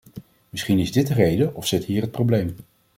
Misschien is dit de reden of zit hier het probleem.